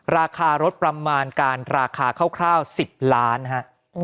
ราคารถประมาณการราคาคร่าว๑๐ล้านฮะ